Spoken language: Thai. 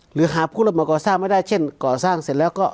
หรือหาผู้รับเหมาก่อสร้างไม่ได้เช่นก่อสร้างเสร็จแล้วก็